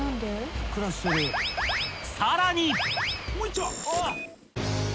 ［さらに！］